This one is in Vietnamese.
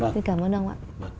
xin cảm ơn ông ạ